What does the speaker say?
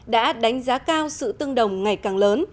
đã đánh giá cao sự tương đồng ngày càng lớn